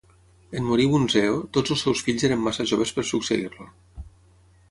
En morir Bunseo, tots els seus fills eren massa joves per succeir-lo.